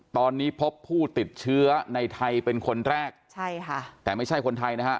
ตอนนี้พบผู้ติดเชื้อในไทยเป็นคนแรกใช่ค่ะแต่ไม่ใช่คนไทยนะฮะ